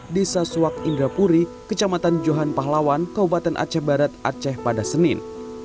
desa suwak indrapuri kecamatan johan pahlawan kabupaten aceh barat aceh pada senin